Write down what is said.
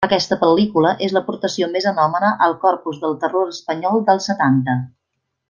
Aquesta pel·lícula és l'aportació més anòmala al corpus del terror espanyol dels setanta.